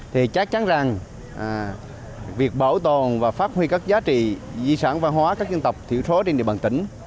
thì chắc chắn rằng việc bảo tồn và phát huy các giá trị di sản văn hóa các dân tộc thiểu số trên địa bàn tỉnh